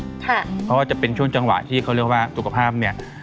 เพราะว่าจะเป็นช่วงจังหวะที่เขาเรียกว่าสุขภาพเนี่ย